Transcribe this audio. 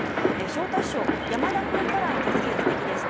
昇太師匠山田君からのたすきが、すてきです。